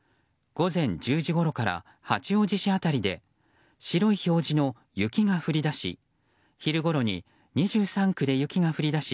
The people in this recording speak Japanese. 午前１０時ごろから八王子市辺りで白い表示の雪が降り出し昼ごろに２３区で雪が降りだし